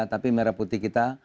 tapi merah putih kita